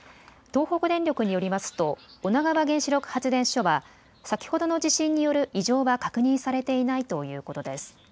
東北電力によりますと女川原子力発電所は先ほどの地震による異常は確認されていないということです。